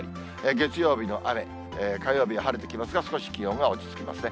月曜日が雨、火曜日は晴れてきますが、少し気温が落ち着きますね。